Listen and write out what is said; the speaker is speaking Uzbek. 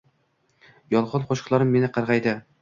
Yolgon qushiqlarim meni qargaydi